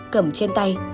cầm trên tay